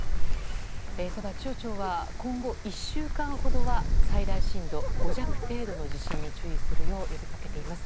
ただ、気象庁は今後１週間ほどは最大震度５弱程度の地震に注意するよう呼びかけています。